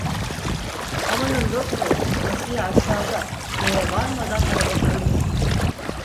Amanın doktor, Asiye aşağıda. Köye varmadan arabada ölür.